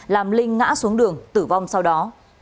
làm linh ngã xuống đường tử vong sau đó